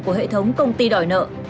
của hệ thống công ty đòi nợ